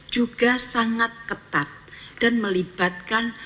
juga sangat ketat dan melibatkan